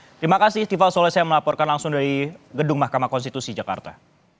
terima kasih istival soles yang melaporkan langsung dari gedung mahkamah konstitusi jakarta